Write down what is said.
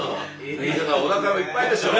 おなかもいっぱいでしょう。